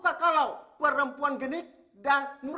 kau suka kalau perempuan gelap gelap seperti anak perempuan gelap gelap